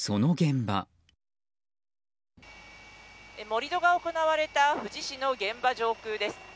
盛り土が行われた富士市の現場上空です。